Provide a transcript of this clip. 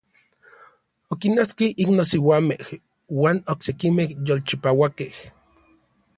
Okinnotski iknosiuamej iuan oksekimej yolchipauakej.